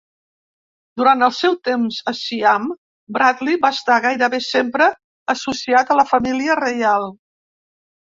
Durant el seu temps a Siam, Bradley va estar gairebé sempre associat a la família reial.